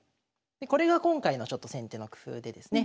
これが今回のちょっと先手の工夫でですね